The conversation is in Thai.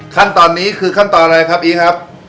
ขั้นตอนนี้คือขั้นตอนอะไรครับอีครับ